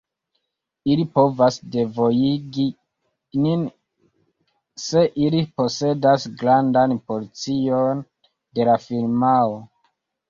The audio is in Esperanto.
Ili povas devojigi nin se ili posedas grandan porcion de la firmao.